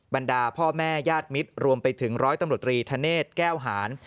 บรรดาพ่อแม่ญาติมิตรรวมไปถึงร้อยตำรวจตรีธเนธแก้วหาร